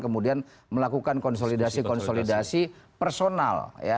kemudian melakukan konsolidasi konsolidasi personal